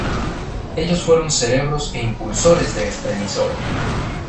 Ellos fueron cerebros e impulsores de esta emisora.